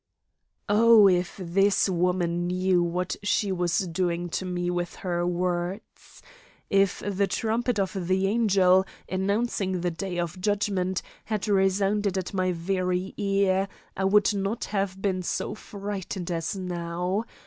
'" Oh, if this woman knew what she was doing to me with her words! If the trumpet of the angel, announcing the day of judgment, had resounded at my very ear, I would not have been so frightened as now.